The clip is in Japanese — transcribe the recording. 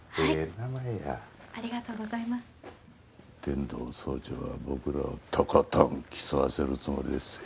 天堂総長は僕らをとことん競わせるつもりでっせ。